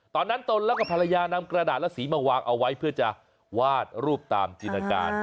ตนแล้วก็ภรรยานำกระดาษและสีมาวางเอาไว้เพื่อจะวาดรูปตามจินตการ